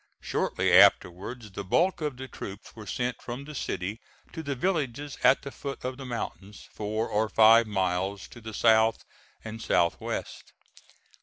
Shortly afterwards the bulk of the troops were sent from the city to the villages at the foot of the mountains, four or five miles to the south and south west.